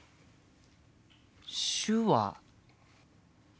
手話。